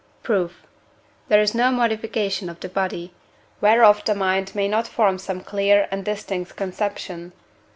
Proof. There is no modification of the body, whereof the mind may not form some clear and distinct conception (V.